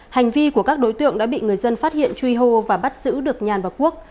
hành vi của các đối tượng đã bị người dân phát hiện truy hô và bắt giữ được nhàn và quốc